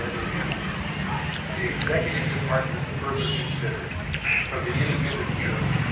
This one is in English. FEDERALIST No. 70 The Executive Department Further Considered From The Independent Journal.